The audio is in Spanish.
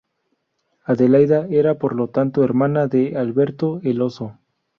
Adelaida era por lo tanto hermana de Alberto el Oso.